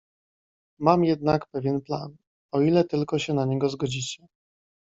"Mam jednak pewien plan, o ile tylko się na niego zgodzicie."